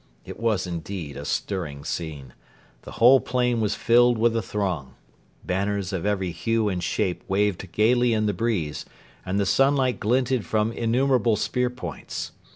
It was indeed a stirring scene. The whole plain was filled with the throng. Banners of every hue and shape waved gaily in the breeze, and the sunlight glinted from innumerable spear points.